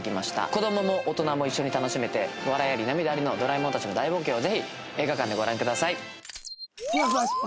子供も大人も一緒に楽しめて笑いあり涙ありのドラえもんたちの大冒険をぜひ映画館でご覧ください。